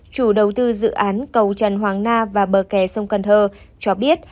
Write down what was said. chủ đầu tư dự án cầu trần hoàng na và bờ kè sông cần thơ cho biết